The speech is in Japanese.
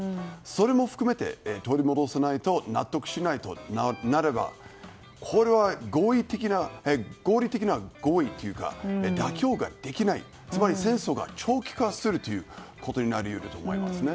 それも含めて、取り戻さないと納得しないとなればこれは、合理的な合意というか妥協ができないつまり戦争長期化することになり得ると思います。